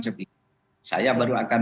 sepihak saya baru akan